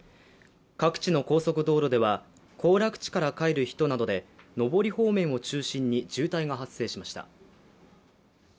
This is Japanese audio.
各地の高速道路では行楽地から帰る人などで上り方面を中心に渋滞が発生しました。